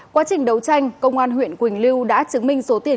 quá trình đấu tranh công an huyện quỳnh lưu đã chứng minh số tiền